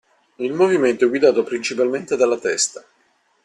Il movimento è guidato principalmente dalla testa.